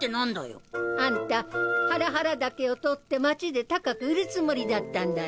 あんたハラハラ茸を採って街で高く売るつもりだったんだろ。